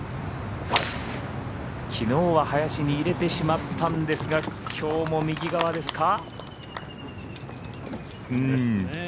きのうは林に入れてしまったんですがきょうも右側ですか。